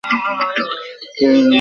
তুমি কে মা?